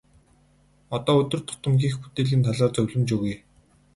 Одоо өдөр тутам хийх бүтээлийн талаар зөвлөмж өгье.